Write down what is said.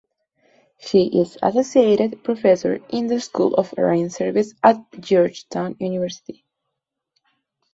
She is associate professor in the School of Foreign Service at Georgetown University.